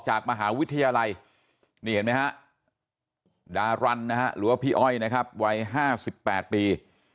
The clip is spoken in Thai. จากมหาวิทยาลัยดารันหรือพี่อ้อยนะครับวัย๕๘ปี